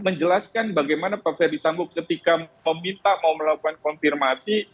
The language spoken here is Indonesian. menjelaskan bagaimana pak ferdisambo ketika meminta mau melakukan konfirmasi